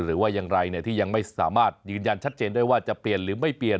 หรือว่าอย่างไรที่ยังไม่สามารถยืนยันชัดเจนได้ว่าจะเปลี่ยนหรือไม่เปลี่ยน